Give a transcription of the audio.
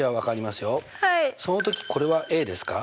その時これはですか？